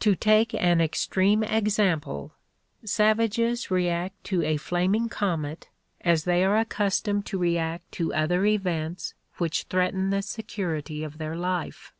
To take an extreme example; savages react to a flaming comet as they are accustomed to react to other events which threaten the security of their life.